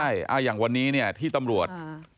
อย่างวันนี้ที่ตำรวจ